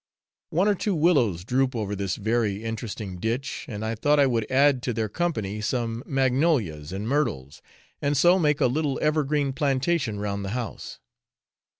One or two willows droop over this very interesting ditch, and I thought I would add to their company some magnolias and myrtles, and so make a little evergreen plantation round the house.